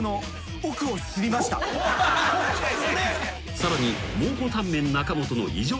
［さらに］